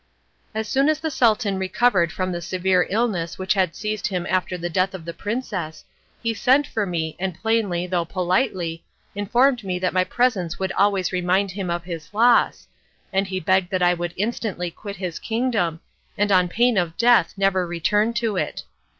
As soon as the Sultan recovered from the severe illness which had seized him after the death of the princess he sent for me and plainly, though politely, informed me that my presence would always remind him of his loss, and he begged that I would instantly quit his kingdom, and on pain of death never return to it.